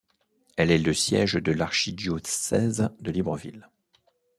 Elle est le siège de l'archidiocèse de Libreville.